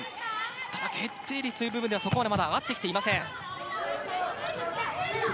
ただ、決定率はそこまで上がってきていません。